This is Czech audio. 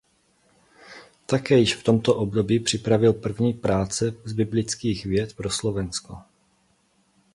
Také již v tomto období připravil první práce z biblických věd pro Slovensko.